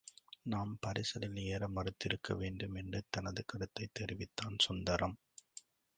நாம் பரிசலில் ஏற மறுத்திருக்க வேண்டும் என்று தனது கருத்தைத் தெரிவித்தான் சுந்தரம்.